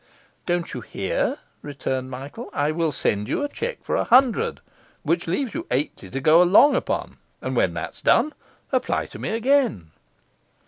'Don't you hear?' returned Michael. 'I send you a cheque for a hundred; which leaves you eighty to go along upon; and when that's done, apply to me again.